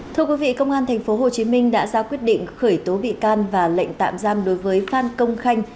thưa quý vị công an tp hcm đã ra quyết định khởi tố bị can và lệnh tạm giam đối với phan công khanh